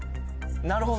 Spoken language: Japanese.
なるほど。